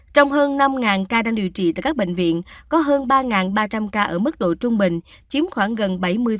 trong hơn năm ca đang điều trị tại các bệnh viện có hơn ba ba trăm linh ca ở mức độ trung bình chiếm khoảng gần bảy mươi